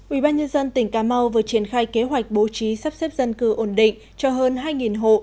ubnd tỉnh cà mau vừa triển khai kế hoạch bố trí sắp xếp dân cư ổn định cho hơn hai hộ